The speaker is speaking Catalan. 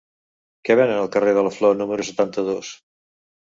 Què venen al carrer de la Flor número setanta-dos?